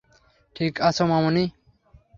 ঠিক আছো, মামনি?